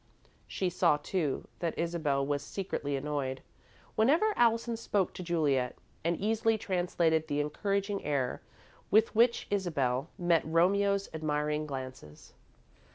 She saw, too, that Isabel was secretly annoyed whenever Allison spoke to Juliet, and easily translated the encouraging air with which Isabel met Romeo's admiring glances.